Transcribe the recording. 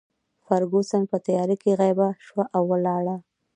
فرګوسن په تیارې کې غیبه شوه او ولاړه.